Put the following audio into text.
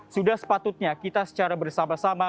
sudah sepatutnya kita secara bersama sama